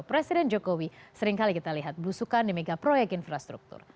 presiden jokowi seringkali kita lihat belusukan di mega proyek infrastruktur